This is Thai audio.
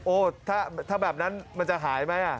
ถ้าแบบนั้นมันจะหายไหม